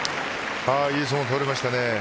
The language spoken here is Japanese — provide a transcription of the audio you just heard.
いい相撲を取りましたね。